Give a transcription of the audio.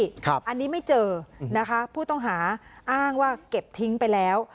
อันนี้ไม่เจอนะคะผู้ต้องหาอ้างว่าเก็บทิ้งไปแล้ว